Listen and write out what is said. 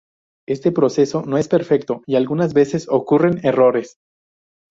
Este proceso no es perfecto y algunas veces ocurren errores.